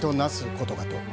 ことかと。